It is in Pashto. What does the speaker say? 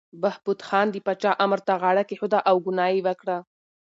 بهبود خان د پاچا امر ته غاړه کېښوده او ګناه یې وکړه.